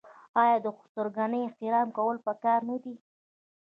آیا د خسرګنۍ احترام کول پکار نه دي؟